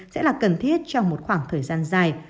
sẽ là cần thiết trong một khoảng thời gian dài